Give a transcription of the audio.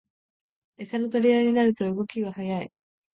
エサの取り合いになると動きが速い